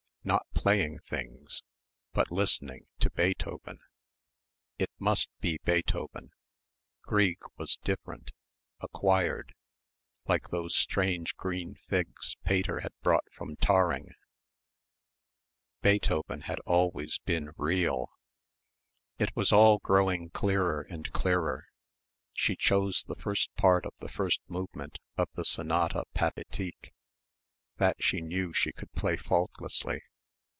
not playing things, but listening to Beethoven.... It must be Beethoven ... Grieg was different ... acquired ... like those strange green figs Pater had brought from Tarring ... Beethoven had always been real. It was all growing clearer and clearer.... She chose the first part of the first movement of the Sonata Pathétique. That she knew she could play faultlessly.